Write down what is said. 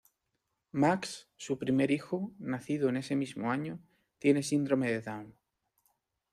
Max, su primer hijo, nacido en ese mismo año, tiene síndrome de Down.